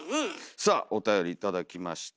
さあおたより頂きました。